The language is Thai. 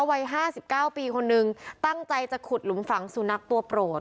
วัยห้าสิบเก้าปีคนนึงตั้งใจจะขุดหลุมฝังสูนักตัวโปรด